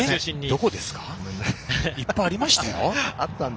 いっぱいありましたよ。